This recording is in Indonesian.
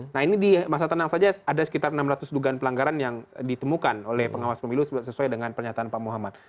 nah ini di masa tenang saja ada sekitar enam ratus dugaan pelanggaran yang ditemukan oleh pengawas pemilu sesuai dengan pernyataan pak muhammad